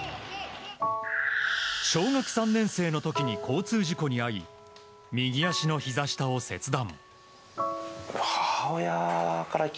小学３年生の時に交通事故に遭い右足のひざ下を切断。